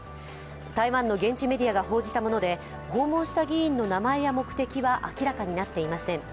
台湾の現地メディアが報じたもので訪問した議員の名前や目的は明らかになっていません。